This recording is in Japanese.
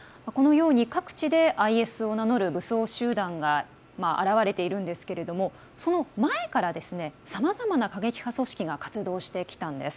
各地で、ＩＳを名乗る武装集団が現れているんですけれどもその前からさまざまな過激派組織が活動してきたんです。